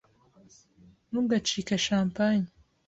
Ntugacike champagne.